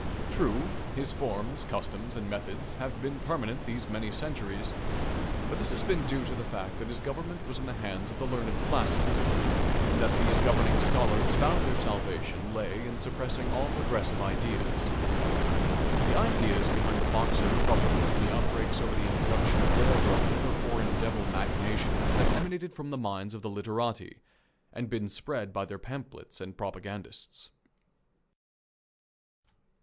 True, his forms, customs, and methods have been permanent these many centuries, but this has been due to the fact that his government was in the hands of the learned classes, and that these governing scholars found their salvation lay in suppressing all progressive ideas. The ideas behind the Boxer troubles and the outbreaks over the introduction of railroad and other foreign devil machinations have emanated from the minds of the literati, and been spread by their pamphlets and propagandists.